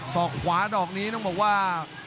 อกขวาดอกนี้ต้องบอกว่า